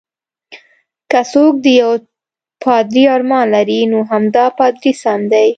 که څوک د یو پادري ارمان لري، نو همدا پادري سم دی.